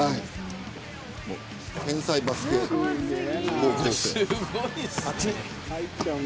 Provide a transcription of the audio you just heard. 天才バスケ高校生。